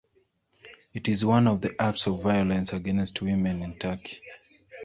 It is one of the acts of violence against women in Turkey.